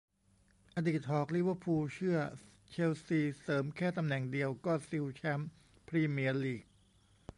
อดีตหอก ลิเวอร์พูล เชื่อ เชลซี เสริมแค่ตำแหน่งเดียวก็ซิวแชมป์ พรีเมียร์ลีก